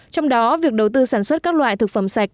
trong đó việc đầu tư sản xuất các loại thực phẩm sạch